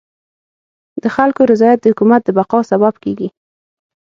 د خلکو رضایت د حکومت د بقا سبب کيږي.